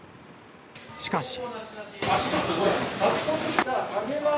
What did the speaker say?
しかし。